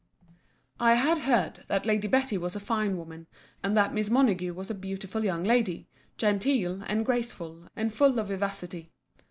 I had heard, that Lady Betty was a fine woman, and that Miss Montague was a beautiful young lady, genteel, and graceful, and full of vivacity.